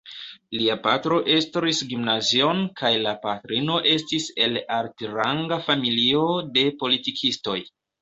Lia patro estris gimnazion kaj la patrino estis el altranga familio de politikistoj.